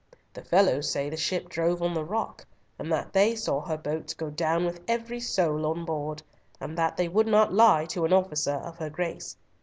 "The fellows say the ship drove on the rock, and that they saw her boats go down with every soul on board, and that they would not lie to an officer of her Grace.